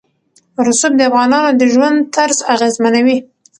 رسوب د افغانانو د ژوند طرز اغېزمنوي.